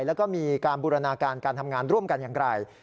แล้วก็มีการบูรณาการการทำงานร่วมกันอย่างไร